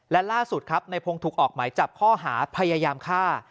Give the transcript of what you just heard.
และล่าสุดครับในพงศ์ถูกออกหมายจับข้อหาพยายามฆ่า